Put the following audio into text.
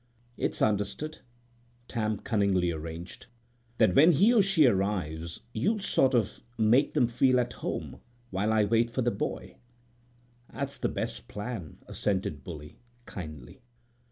"It's understood," Tam cunningly arranged, "that when he or she arrives you'll sort of make them feel at home while I wait for the boy?" "That's the best plan," assented Bully, kindly.